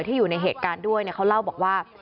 อยู่ในเหตุการณ์ด้วยเขาเล่าบอกว่า